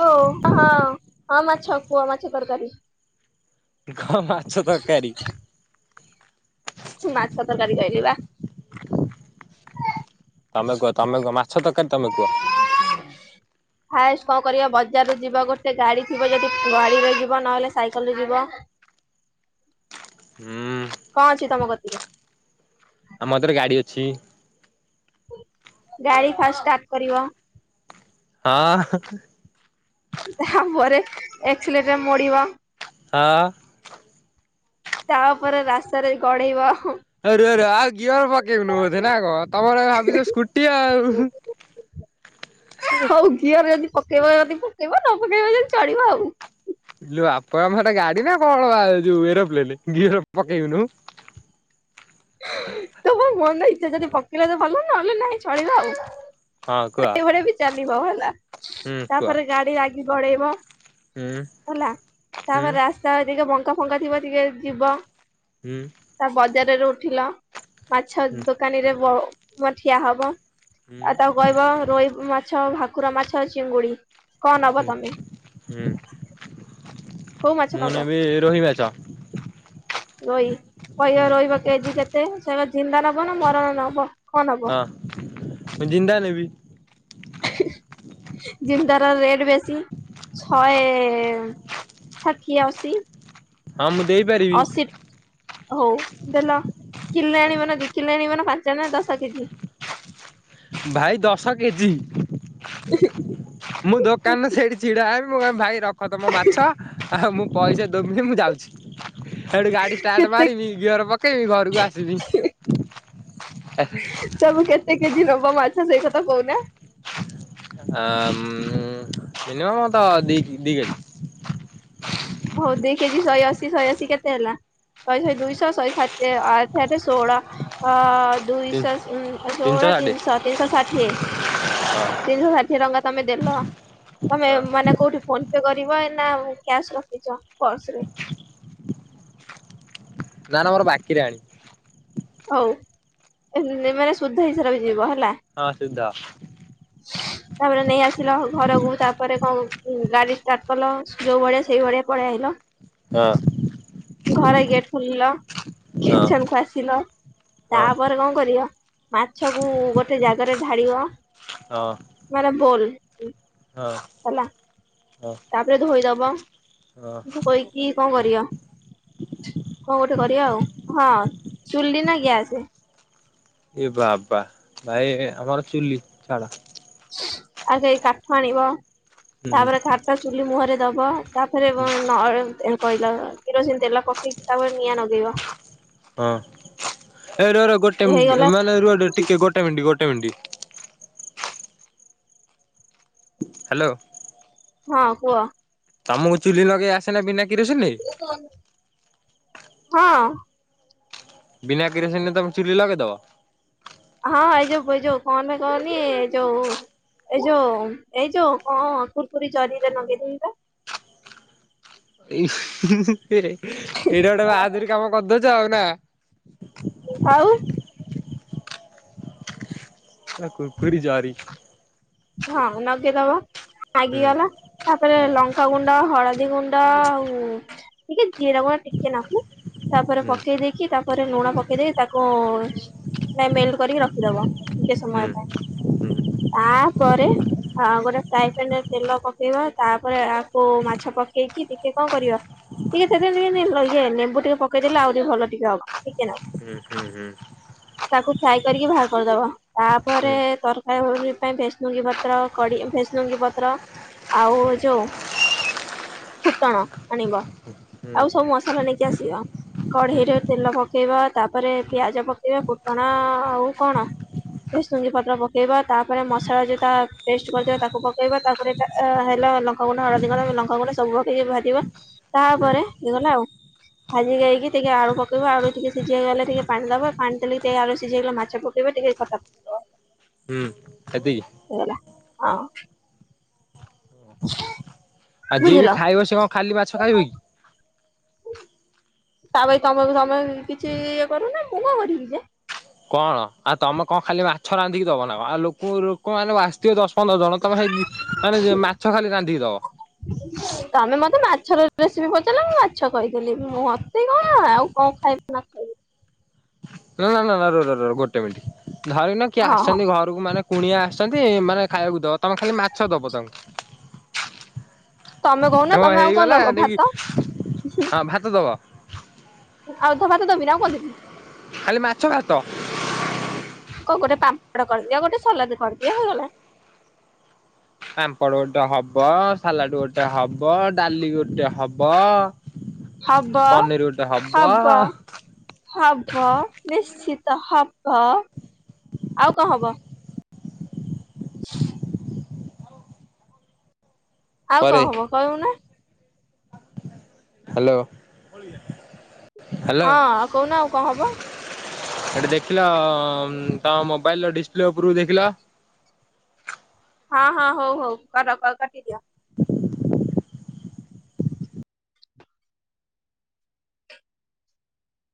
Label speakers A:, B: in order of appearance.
A: Hello ହଁ ହଁ ମାଛ କୁହ ମାଛ ତରକାରୀ।
B: କଣ ମାଛ ତରକାରୀ?
A: ମାଛ ତରକାରୀ କହିଲି ବା।
B: ତମେ କୁହ ତମେ କୁହ ମାଛ ତରକାରୀ ତମେ କୁହ?
A: ଫାଷ୍ଟ କଣ କରିବା ବଜାରୁୁ ଯିବ ଗୋଟେ ଗାଡି ଥିବ ଯଦି ଗାଡିରେ ଯିବ ନହେଲେ ସାଇକେଲରେ ଯିବ।
B: ହୁଁ
A: କଣ ଅଛି ତମ କତିରେ?
B: ଆମ ହାତରେ ଗାଡି ଅଛି।
A: ଗାଡି ଫାଷ୍ଟ ଷ୍ଟାର୍ଟ କରିବ।
B: ହଁ।
A: ତାପରେ ଏକ୍ସିଲେଟର ମୋଡ଼ିବ।
B: ହଁ।
A: ତାପରେ ରାସ୍ତାରେ ଗଡେଇବ ହଁ।
B: ଆରେ ଆରେ ରୁହ ଗିଅର ପକେଇ ବୁନୁ ବୋଧେ ନା କଣ ତମର ଭାବିଛ ସ୍କୁଟି ଆଉ ହଁ
A: ହଉ ଗିଅର ଯଦି ପକେଇବ ଯଦି ପକେଇବ ନ ପକେଇବ ଯଦି ଚଳିବ ଆଉ
B: ଆଲୋ ବାପାମା ଗାଡି ନା କଣ ବା ଯୋଉ ଏରୋପ୍ଲେନ ଗିଅର ପକେଇବୁନୁ।
A: ତୋ ମନ ଇଚ୍ଛା ଯଦି ପକେଇଲ ତ ଭଲ ନହେଲେ ନାଇଁ ଚଳିବ ଆଉ
B: ହଁ କୁହ?
A: ତଥାପି ବି ଚାଲିବ ହେଲା
B: ହୁଁ କୁହ
A: ତାପରେ ଗାଡି ରାଗି ଗଡେଇବ।
B: ହୁଁ
A: ହେଲା
B: ହୁଁ
A: ତାପରେ ରାସ୍ତା ଟିକେ ଭଙ୍କା ଫଙ୍କା ଥିବ ଟିକେ ଯିବ।
B: ହୁଁ।
A: ତା ବଜାରରେ ଉଠିଲ ମାଛ
B: ହୁଁ।
A: ଦୋକାନୀରେ ବ ମ ଠିଆ ହବ।
B: ହୁଁ
A: ଆଉ ତାକୁ କହିବ ରୋହି ମାଛ ଭାକୁର ମାଛ ଚିଙ୍ଗୁଡି କଣ ନବ
B: ହୁଁ
A: ତମେ
B: ହୁଁ।
A: କୋଉ ମାଛ
B: ମୁଁ
A: ନବ
B: ନେବି ରୋହି ମାଛ।
A: ରୋହି କହିବା ରହିବ କେଜି କେତେ ସେ ଝିନ୍ଦା ନବ ନା ମରଣ ନବ? କଣ ନବ
B: ତ ମୁଁ ଜିନ୍ଦା ନେବି।
A: ଜିନ୍ଦାର ରେଟ ବେଶୀ ଶହେ ଷାଠିଏ ଅସି।
B: ହଁ ମୁଁ ଦେଇପାରିବି।
A: ହଉ ଦେଲ କିଲେ ଆଣିବନା ଦି କିଲ ଆଣିବନା ପାଞ୍ଚ ଜଣ ଦଶ କେଜି?
B: ଭାଇ ଦଶ କେଜି।
A: ହ
B: ମୁଁ ଦୋକାନରେ ସେଇଠି ଛିଡା ହେବି ମୁଁ କହିବି ଭାଇ ରଖ ତମ ମାଛ ଆଉ ମୁଁ ପଇସା ଦେବିନି ମୁଁ ଯାଉଛି ସେଠୁ ଗାଡ଼ି ଷ୍ଟାର୍ଟ
A: କେତେ
B: ମାରିବି। ଗିଅର ପକେଇବି ଘରକୁ ଆସିବି।
A: ତମ କେତେ କେଜି ନବ ମାଛ ସେଇ କଥା କହୁନା?
B: ଆ ମିନିମମ୍ ତ ଦି ଦି କେଜି।
A: ହଉ ଦିକେଜି ଶହେଅଶୀ ଶହେଅଶୀ କେତେ ହେଲା? ଶହେ ଶହେ ଦୁଇଶହ ଶହେ ସାତ ଆଠେ ଆଠେ ଷୋହଳ ଆ ଦୁଇଶହ ଷୋହଳ ତିନିଶହ ତିନିଶହ ଷାଠିଏ। ତିନିଶହ ଷାଠିଏ ଟଙ୍କା ତମେ ଦେଲ ତମେ
B: ହଁ
A: ମାନେ କୋଉଠି ଫୋନ ପେ କରିବ ନା କ୍ୟାସ ରଖିଚ ପର୍ସ ରେ?
B: ନା ନା ମୋର ବାକିରେ ଆଣି
A: ହଉ ଏ ନା ମାନେ ସୁଦ୍ଧ ହିସା ରହିଯିବ ହେଲା।
B: ହଁ ସୁଦ୍ଧ।
A: ହଁ [inaudible] ତାପରେ ନେଇ ଆସିଲ ଘରକୁ ତାପରେ କଣ ଉଁ ଗାଡି ଷ୍ଟାର୍ଟ କଲ ଯୋଉ ଭଳିଆ ସେଇଭଳିଆ ପଲେଇ ଆଇଲ?
B: ହଁ
A: ଘରେ ଗେଟ ଖୋଲିଲ
B: ହଁ
A: କିଚେନକୁ ଆସିଲ।
B: ହଁ
A: ତାପରେ କଣ କରିବ ମାଛକୁ ଗୋଟେ ଜାଗାରେ ଢାଳିବ।
B: ହଁ
A: ମାନେ ବୋଲ
B: ହଁ।
A: ହେଲା।
B: ହଁ।
A: ତାପରେ ଧୋଇଦବ।
B: ହଁ
A: ଧୋଇକି କଣ କରିବ। କଣ ଗୋଟେ କରିବା ଆଉ ହଁ ଚୁଲି ନା ଗ୍ୟାସେ?
B: ଏ ବାବା ଭାଇ ଆମର ଚୁଲି ଛାଡ
A: ଆଗ ଯାଇଁ କାଠ ଆଣିବ ତା
B: ହୁଁ
A: ପରେ କାଠ ଚୁଲି ମୁହଁରେ ଦବ ତାପରେ ବ ନ କହିଲ କିରୋସିନ ତେଲ ପକେଇକି ତାପରେ ନିଆଁ ନଗେଇବ।
B: ହଁ ହେଇ ରୁହ ରୁହ ଗୋଟେ ମିନ୍
A: ହେଇଗଲା
B: ମାନେ ରୁହ ରୁହ ଟିକେ ଗୋଟେ ମିନିଟ ଗୋଟେ ମିନିଟ। ହ୍ୟାଲୋ।
A: ହଁ କୁହ।
B: ତମକୁ ଚୁଲି ଲଗେଇ ଆସେନା ବିନା କିିରସିନିରେ?
A: ହଁ।
B: ବିନା କିରୋସିନି ତମେ ଚୁଲି ଲଗେଇଦବ?
A: ହଁ ଏ ଯୋଉ ଏ ଯୋଉ କଣ ଟା କହନି ଏ ଯୋଉ ଏ ଯୋଉ ଏ ଯୋଉ କଁ କୁରକୁରୀ ଜରିରେ ଲଗେଇଦେବି ବା।
B: ଇସ୍ ଏ ଏଇଟା ଗୋଟେ ବାହାଦୁରି କାମ କରିଦଉଚ ଆଉ ନା?
A: ଆଉ।
B: ନା କୁର୍କୁରି ଜରି।
A: ହଁ ନଗେଇଦବ
B: ହୁଁ
A: ନାଗିଗଲା ତାପରେ
B: ହୁଁ
A: ଲଙ୍କା ଗୁଣ୍ଡ ହଳଦୀ ଗୁନ୍ ଣ୍ଡ ଆଉ ଟିକେ ଜିରା ଗୁଣ୍ଡ ଟିକେ ନାକୁ ତାପରେ
B: ହୁଁ
A: ପକେଇ ଦେଇକି କି ତା ପରେ ଲୁଣ ପକେଇ ଦେଇକି ତାକୁ ନାଇ ମେଲଟ କରିକି ରଖିଦବ ଟିକେ
B: ହୁଁ
A: ସମୟ ପାଇଁ।
B: ହୁଁ ହୁଁ
A: ତାପରେ ଆ ଗୋଟେ ଫ୍ରାଏ ପ୍ୟାନ ରେ ତେଲ ପକେଇବା ତାପରେ ଆକୁ ମାଛ ପକେଇକି ଟିକେ କଣ କରିବ? ଟିକେ ସେଥିରେ ଟିକେ ଲେ ନ ଏ ଲେମ୍ବୁ ଟିକେ ପକେଇ ଦେଲେ ଆଉ ଟିକେ ଭଲ ହବ ଟିକେ ନାକୁ।
B: ହୁଁ ହୁଁ ହୁଁ।
A: ତାକୁ ଫ୍ରାଏ କରିକି ଭାହାର କରିଦବ ତାପରେ ତରକାରୀ ଫକାରି ପାଇଁ ଭେସ୍ ଭେସୁଙ୍ଗି ପତ୍ର କଡି ଭେସୁଙ୍ଗୀ ପତ୍ର ଆଉ ଯୋଉ ଫୁଟଣ ଆଣିବ ଆଉ ସବୁ ମସଲା ନେଇକି ଆସିବ।
B: ହୁଁ
A: କଢେଇରେ ତେଲ ପକେଇବା ତାପରେ ପିଆଜ ପକେଇବ। ଫୁଟଣ ଆଉ କଣ? ଭେସୁଙ୍ଗି ପତ୍ର ପକେଇବ। ତାପରେ ମସଲା ଯ ତା ପେଷ୍ଟ କରିଥିବ ତାକୁ ପକେଇବା ତାପରେ ଏଟା ଏ ହେଲା ଲଙ୍କା ଗୁଣ୍ଡ, ହଳଦୀ ଗୁଣ୍ଡ, ଲଙ୍କା ଗୁଣ୍ଡ ସବୁ ପକେଇକି ଭାଜିବ। ତା
B: ହୁଁ
A: ପରେ ହେଇଗଲା ଆଉ। ଭାଜିି ଦେଇକି ଟିକେ ଆଳୁ ପକେଇବ ଆଳୁ ଟିକେ ସିଝୀ ଗଲେ ଟିକେ ପାଣି ଦବା ପାଣି ଦେଲେ ଟିକେ ଆଳୁସିଝୀ ଗଲେ ମାଛ ପକ ଇବ ଟିକେ ଖଟା ପକେଇବ।
B: ହୁଁ। ଏତିକି
A: ଏ ଗଲା [inaudible]
B: ଆଉ ଯିଏ ବି ଖାଇବ ସେ କଣ ଖାଲି ବାଛ ଖାଇବ କି?
A: ତାପଇ ତମକୁ ସମମେ କିଛି ଇଏ କରିଅ ନା ମୁ କଣ କରିବି ଯେ।
B: କଣ ଆଉ ତମ କଣ ଖାଲି ମାଛ ରାନ୍ଧିକି ଦବ ନା କ ଆଉ ଲୁକୁ ଲୁ ଲୋକମାନେ ତୀୟ ଦଶ, ପନ୍ଦର ଜଣ ତମେ ଖାଇ ଦି ମାନେ ମା ମାଛ ଖାଲି ରାନ୍ଧିକିଦବ।
A: ତମେ ମତେ ମାଛର ରେସିପି ପଚାରିଲ ମୁଁ ମାଛ କହିଦେଲିି ମୁଁ ମତି କଣ ଜ ଆଉ କଣ ଖାଇ [inaudible]
B: ନା ନା ନା ନା ରୋ ରୋ ରୋ ଗୋଟେ ମିନଟ ଧରନିଅ କିଏ
A: ହଁ ହଁ
B: ଆସିଛନ୍ତି ଘର ରକୁ ମାନେ କୁଣିଆ ଆସିଛନ୍ତି ମାନେ ଖାଇବାକୁ ଦବ ତମେ ଖାଲି ମାଛ ଦବ ତାଙ୍କୁ।
A: ତମେ କହୁନା
B: ତମ
A: ତମେ ଆଉ କଣ
B: ହେଇଗଲା
A: ଦବ
B: ନେଇକି
A: ଭାତ
B: ହଁ ଭାତ ଦବ।
A: ଆଉ ଧବା ତ ଦବିନି ଆଉ କନ୍ ଦେବି।
B: ଖାଲି ମାଛ, ଭାତ।
A: କ ଗୋଟେ ପାମ୍ପଡ କରିଦିଅ ଗୋଟେ ସଲାଦ କରିଦିଅ ହେଇଗଲା।
B: ପାମ୍ପଡ ଗୋଟେ ହବ, ସାଲାଡ ଗୋଟେ ହବ, ଡାଲି ଗୋଟେ ହବ
A: ହବ
B: ବ ପନିର ଗୋଟେ ହବ।
A: ହବ ନିଶ୍ଚିତ ହବ ଆଉ କଣ ହବ? ହ [inaudible] ଆଉ କଣ
B: ପରେ
A: ହବ କହିବୁ ନା?
B: ହ୍ୟାଲୋ। ହ୍ୟାଲୋ
A: ହଁ ଆଉ କହୁନା ଆଉ କଣ ହବ?
B: ହେଟି ଦେଖିଲ ଉଁ ତମ ମୋବାଇଲ ର ଡିସପ୍ଲେ ଉପରକୁ ଦେଖିଲ।
A: ହଁ ହଁ ହଉ ହଉ କର କଲ କାଟିଦିଅ।